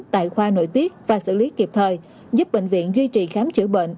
tại khoa nội tiết và xử lý kịp thời giúp bệnh viện duy trì khám chữa bệnh